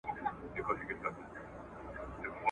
که شیدې وڅښو نو هډوکي نه خوږیږي.